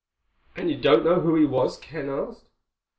"And you don't know who he was?" Ken asked.